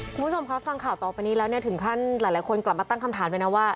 คุณผู้ชมคะฟังข่าวต่อไปนี้แล้วเนี่ยถึงขั้นหลายคนกลับมาตั้งคำถามเลยนะว่า